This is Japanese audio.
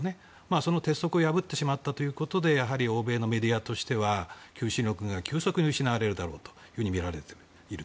その鉄則を破ってしまったということでやはり欧米のメディアとしては求心力が急速に失われるだろうとみている。